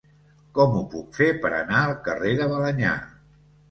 Com ho puc fer per anar al carrer de Balenyà?